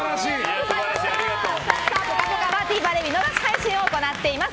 「ぽかぽか」はＴＶｅｒで見逃し配信を行っております。